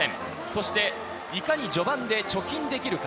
そしていかに序盤で貯金できるか。